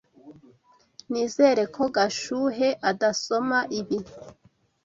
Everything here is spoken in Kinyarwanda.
Nizere ko Gashuhe adasoma ibi.